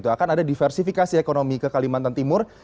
akan ada diversifikasi ekonomi ke kalimantan timur